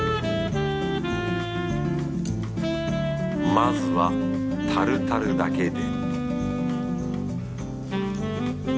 まずはタルタルだけで